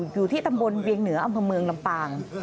อยู่ที่ตำบลเวียงเหนืออำเภอเมืองลำปาง